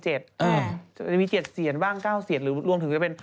จะมี๗เสียนบ้าง๙เสียนหรือรวมถึงจะเป็น